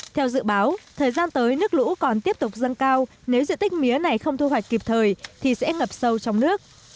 theo dự báo thời gian tới nước lũ còn tiếp tục dâng cao nếu diện tích mía này không thu hoạch kịp thời thì sẽ ngập sâu trong nước